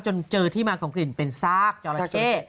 จนเจอที่มาของกลิ่นเป็นซากจอราเข้